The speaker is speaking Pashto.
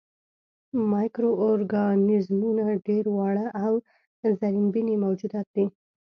مایکرو ارګانیزمونه ډېر واړه او زرېبيني موجودات دي.